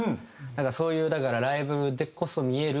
そういうだからライブでこそ見える。